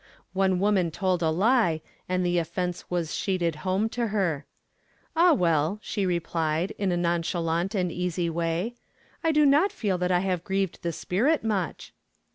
One woman told a lie and the offense was sheeted home to her. 'Ah, well,' she replied, in a nonchalant and easy way, '_I do not feel that I have grieved the Spirit much!